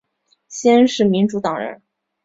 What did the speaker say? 西恩是民主党人。